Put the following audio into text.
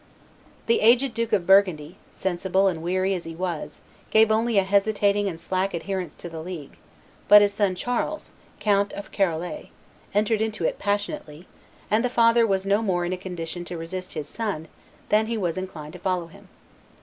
The aged Duke of Burgundy, sensible and weary as he was, gave only a hesitating and slack adherence to the league; but his son Charles, Count of Charolais, entered into it passionately, and the father was no more in a condition to resist his son than he was inclined to follow him.